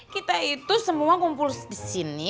kita itu semua kumpul di sini